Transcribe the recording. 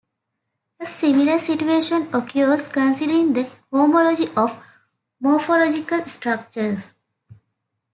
A similar situation occurs considering the homology of morphological structures.